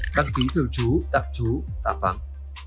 đăng ký thường trú tạp trú tạp vắng